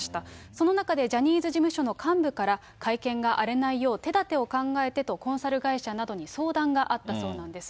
その中でジャニーズ事務所の幹部から、会見が荒れないよう、手だてを考えてと、コンサル会社などに相談があったそうなんです。